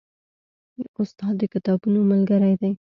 استاد د کتابونو ملګری دی.